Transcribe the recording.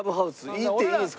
行っていいんですか？